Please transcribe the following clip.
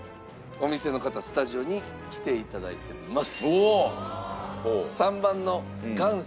お店の方スタジオに来ていただいてます。